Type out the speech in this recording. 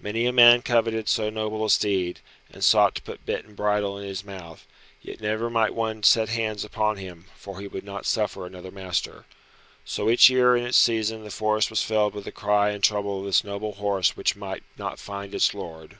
Many a man coveted so noble a steed, and sought to put bit and bridle in his mouth, yet never might one set hands upon him, for he would not suffer another master. So each year in its season the forest was filled with the cry and the trouble of this noble horse which might not find its lord.